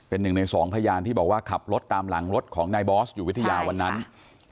เป็นหนึ่งในสองพยานที่บอกว่าขับรถตามหลังรถของนายบอสอยู่วิทยาวันนั้น